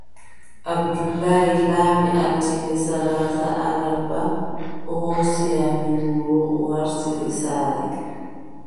Abdoulaye laami, altine salaasa alarba, o hoosi amin wuro o wartiri saare.